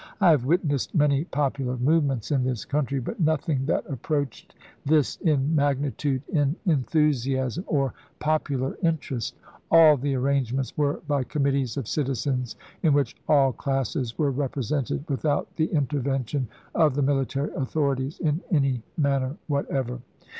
I have witnessed many popular move ments in this country, but nothing that approached this in magnitude, in enthusiasm, or popular inter est. All the arrangements were by committees of citizens, in which all classes were represei^ted, with out the intervention of the military authorities in any manner whatever.